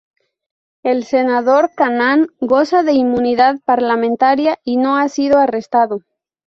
El senador Canaán goza de inmunidad parlamentaria y no ha sido arrestado.